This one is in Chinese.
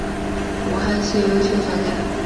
武汉市优秀专家。